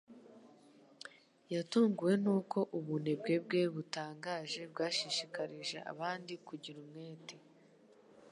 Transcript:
Yatunguwe nuko ubunebwe bwe butangaje bwashishikarije abandi kugira umwete.